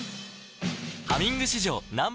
「ハミング」史上Ｎｏ．